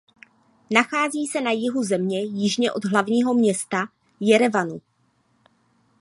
Nachází se na jihu země jižně od hlavního města Jerevanu.